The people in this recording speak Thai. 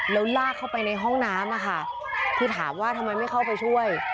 แล้วลากเข้าไปในห้องน้ำนะคะคือถามว่าทำไมไม่เข้าไปช่วย